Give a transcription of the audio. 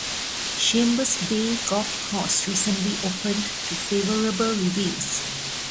Chambers Bay golf course recently opened to favorable reviews.